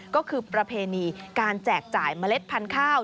ก็คือประเพณีการแจกจ่ายเมล็ดพันธุ์ข้าว